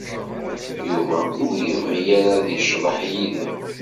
Yuba ur yebɣi ara ad yecḍeḥ yid-i.